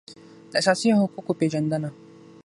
د اساسي حقوقو پېژندنه